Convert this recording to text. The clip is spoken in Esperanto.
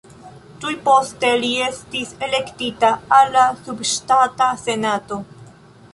Tuj poste li estis elektita al la subŝtata senato.